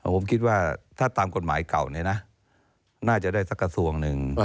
ผมคิดว่าถ้าตามกฎหมายเก่าเนี่ยนะน่าจะได้สักกระทรวงหนึ่ง